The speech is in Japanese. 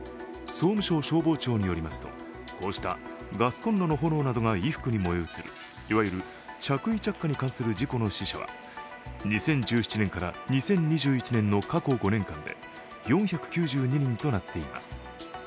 総務省消防庁によりますとこうしたガスコンロの炎などが衣服に燃え移るいわゆる着衣着火に関する事故の死者は２０１７年から２０２１年の過去５年間で４９２人となっています。